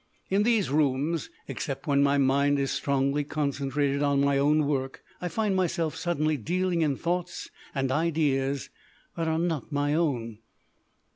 In these rooms, except when my mind is strongly concentrated on my own work, I find myself suddenly dealing in thoughts and ideas that are not my own!